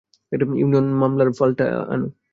Union মামলার ফাইলটা আনো।